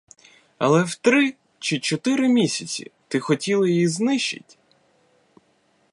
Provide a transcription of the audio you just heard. Але в три чи чотири місяці ти хотіла її знищить?